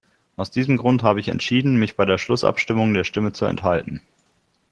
Aus diesem Grund habe ich entschieden, mich bei der Schlussabstimmung der Stimme zu enthalten.